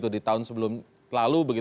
di tahun sebelum lalu